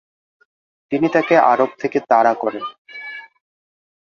তিনি তাকে আরব থেকে তাড়া করেন।